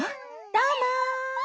どうも。